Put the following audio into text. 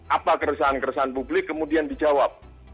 apa keresahan keresahan publik kemudian dijawab